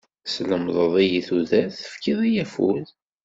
Teslemdeḍ-iyi tudert, tefkiḍ-iyi afud.